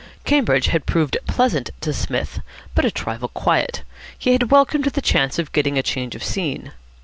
Cambridge had proved pleasant to Psmith, but a trifle quiet. He had welcomed the chance of getting a change of scene.